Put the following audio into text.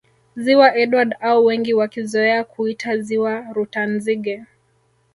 Ziwa Edward au wengi wakizoea kuita Ziwa Rutanzige